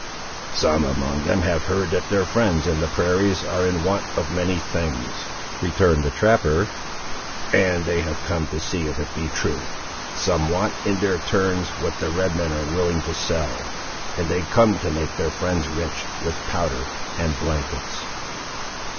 "Some among them have heard that their friends in the prairies are in want of many things," returned the trapper; "and they have come to see if it be true. Some want, in their turns, what the red men are willing to sell, and they come to make their friends rich, with powder and blankets."